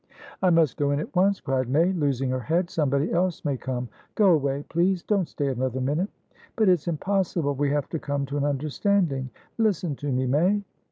"I must go in at once," cried May, losing her head. "Somebody else may come. Go away, please! Don't stay another minute." "But it's impossible. We have to come to an understanding. Listen to me, May!"